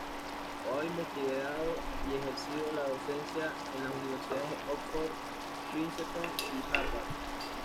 Ha investigado y ejercido la docencia en las universidades de Oxford, Princeton y Harvard.